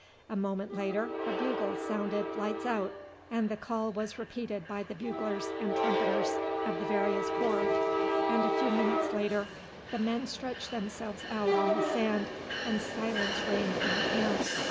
A moment later a bugle sounded "lights out," and the call was repeated by the buglers and trumpeters of the various corps, and a few minutes later the men stretched themselves out on the sand, and silence reigned in the camp.